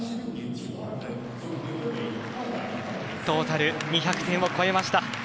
トータル２００点を超えました。